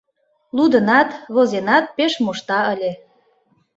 Лудынат, возенат пеш мошта ыле.